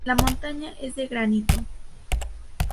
La montaña es de granito.